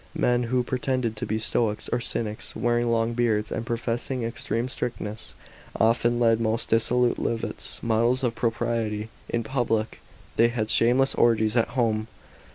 Men who pre tended to be Stoics or Cynics, wearing long beards and professing extreme strictness, often led most dissolute livt s.* Models of pro priety in public, they held shameless orgies at home.